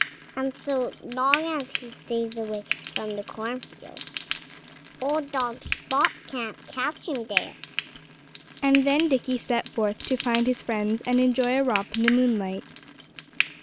And so long as he stays away from the cornfield, old dog Spot can't catch him there." And then Dickie set forth to find his friends and enjoy a romp in the moonlight.